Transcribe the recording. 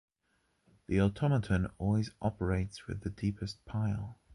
The automaton always operates with the deepest pile.